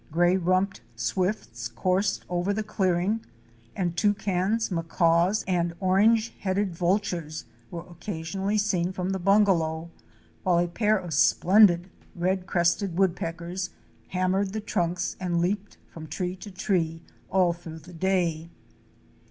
Gray rumped Swifts" coursed over the clearing and Toucans, Macaws and Orange headed Vultures * were occasionally seen from the bungalow, while a pair of splen did Red crested Woodpeckers * hammered the trunks and leaped from tree to tree all through the day.